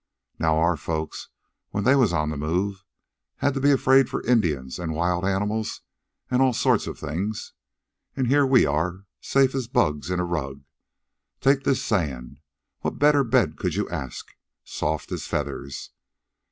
"Now our folks, when they was on the move, had to be afraid for Indians, and wild animals and all sorts of things; an' here we are, as safe as bugs in a rug. Take this sand. What better bed could you ask? Soft as feathers.